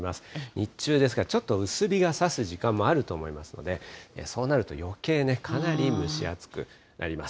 日中は薄日が差す時間もあると思いますので、そうなるとよけい、かなり蒸し暑くなります。